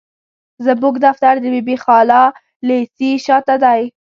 زموږ دفتر د بي بي خالا ليسي شاته دي.